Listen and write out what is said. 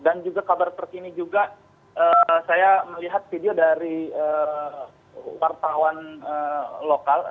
dan juga kabar terkini juga saya melihat video dari wartawan lokal